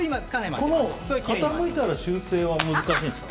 傾いたら修正は難しいんですか？